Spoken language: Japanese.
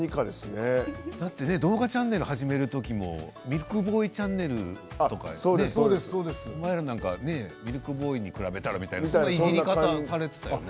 動画チャンネル始める時もねおミルクボーイチャンネルとかミルクボーイに比べたらみたいなそんないじり方されてたよね。